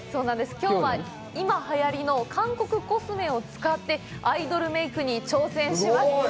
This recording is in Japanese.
きょうは、今はやりの韓国コスメを使ってアイドルメイクに挑戦します。